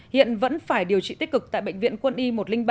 hiện vẫn phải điều trị tích cực tại bệnh viện quân y một trăm linh ba